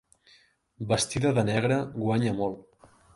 Vestida de negre, guanya molt.